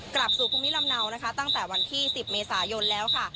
กลับสู่ภูมิลำเนานะคะตั้งแต่วันที่๑๐เมษายนแล้วค่ะ